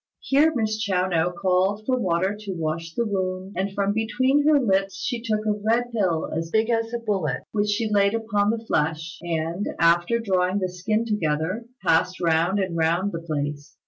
Here Miss Chiao no called for water to wash the wound, and from between her lips she took a red pill as big as a bullet, which she laid upon the flesh, and, after drawing the skin together, passed round and round the place.